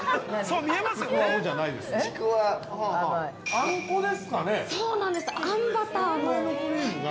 ◆あんこですかね？